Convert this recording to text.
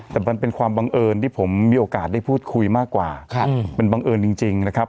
แต่มันเป็นความบังเอิญที่ผมมีโอกาสได้พูดคุยมากกว่ามันบังเอิญจริงนะครับ